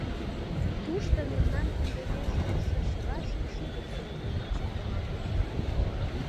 Тушто мемнан кундемеш кушшо чыла шӱкшудым сӱретлен ончыктымо.